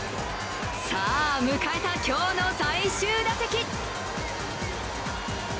さあ、迎えた今日の最終打席。